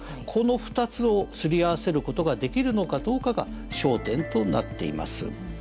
この２つをすり合わせる事ができるのかどうかが焦点となっています。